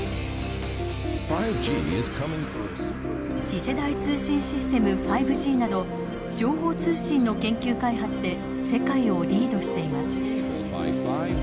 次世代通信システム５Ｇなど情報通信の研究開発で世界をリードしています。